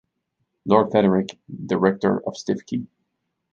Lord Frederick, the Rector of Stiffkey.